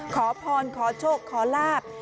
ขอพรขอโชคขอลาบ